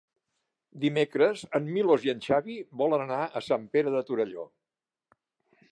Dimecres en Milos i en Xavi volen anar a Sant Pere de Torelló.